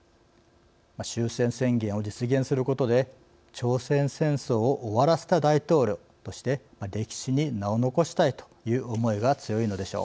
終戦宣言を実現することで朝鮮戦争を終わらせた大統領として歴史に名を残したいという思いが強いのでしょう。